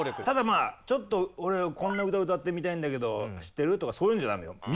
ただまあちょっと俺こんな歌歌ってみたいんだけど知ってる？とかそういうんじゃダメよ。